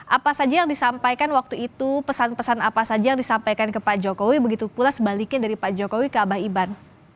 apa saja yang disampaikan waktu itu pesan pesan apa saja yang disampaikan ke pak jokowi begitu pula sebaliknya dari pak jokowi ke abah iban